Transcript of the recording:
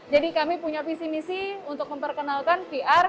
jadi kami punya visi misi untuk memperkenalkan vr